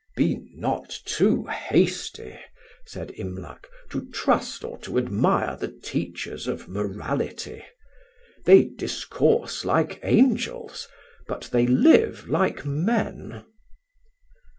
"Be not too hasty," said Imlac, "to trust or to admire the teachers of morality: they discourse like angels, but they live like men."